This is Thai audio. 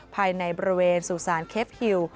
ภายในบริเวณสู่สารเคฟฮิล